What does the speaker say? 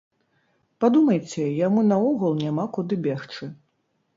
Падумайце, яму наогул няма куды бегчы.